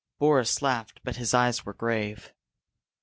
Boris laughed, but his eyes were grave.